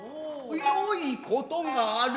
よいことがある。